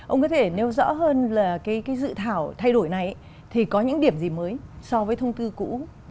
ông có thể nêu rõ hơn là cái dự thảo thay đổi này thì có những điểm gì mới so với thông tư cũ